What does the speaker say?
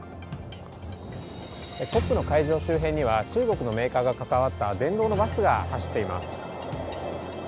周辺には、中国のメーカーが関わった電動のバスが走っています。